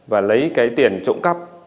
và lấy cái tiền trộm cắp